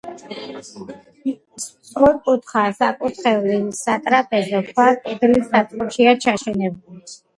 სწორკუთხა საკურთხევლის სატრაპეზო ქვა კედლის წყობაშია ჩაშენებული.